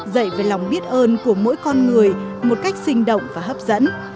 dạy về lòng biết ơn của mỗi con người một cách sinh động và hấp dẫn